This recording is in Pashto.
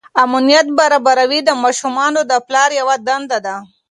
امنیت برابروي د ماشومانو د پلار یوه دنده ده.